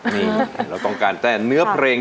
นี่เราต้องการแต่เนื้อเพลง